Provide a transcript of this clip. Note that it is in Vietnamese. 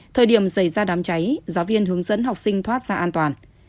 thời điểm xảy ra đám cháy giáo viên hướng dẫn học sinh thoát ra an toàn